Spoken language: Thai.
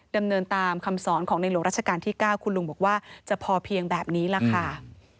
ดำเนินตามคำสอนของในหลวงราชการที่๙คุณลุงบอกว่าจะพอเพียงแบบนี้ล่ะค่ะ